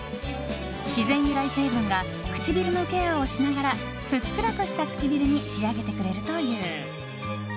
自然由来成分が唇のケアをしながらふっくらとした唇に仕上げてくれるという。